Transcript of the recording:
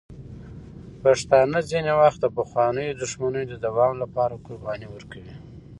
پښتانه ځینې وخت د پخوانیو دښمنیو د دوام لپاره قربانۍ ورکوي.